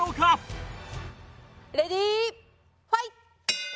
レディーファイト！